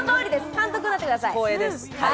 監督になってください。